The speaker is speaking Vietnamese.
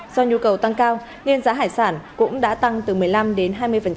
do nhu cầu tăng cao nên giá hải sản cũng đã tăng từ một mươi năm đến hai mươi